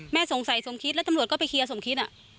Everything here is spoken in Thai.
สงสัยสมคิดแล้วตำรวจก็ไปเคลียร์สมคิด